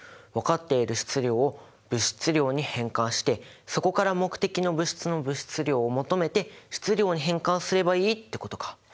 分かっている質量を物質量に変換してそこから目的の物質の物質量を求めて質量に変換すればいいってことか。